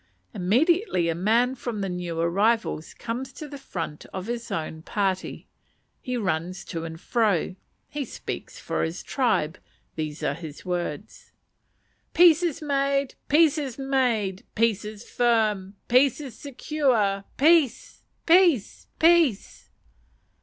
Immediately a man from the new arrivals comes to the front of his own party; he runs to and fro; he speaks for his tribe; these are his words: "Peace is made! peace is made! peace is firm! peace is secure! peace! peace! peace!"